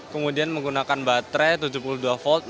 kemudian menggunakan baterai tujuh puluh dua volt